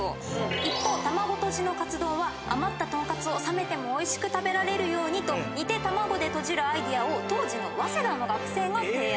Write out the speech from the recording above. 一方卵とじのカツ丼は余ったトンカツを冷めてもおいしく食べられるようにと煮て卵でとじるアイデアを当時の早稲田の学生が提案。